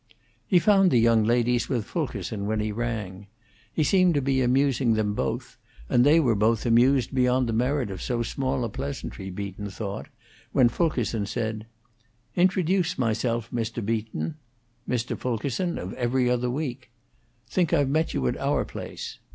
He found the young ladies with Fulkerson when he rang. He seemed to be amusing them both, and they were both amused beyond the merit of so small a pleasantry, Beaton thought, when Fulkerson said: "Introduce myself, Mr. Beaton: Mr. Fulkerson of 'Every Other Week.' Think I've met you at our place."